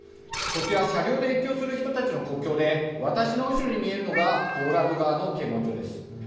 こちら、車両で越境する人たちの国境で私の後ろに見えるのがポーランド側の検問所です。